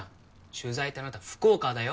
取材ってあなた福岡だよ？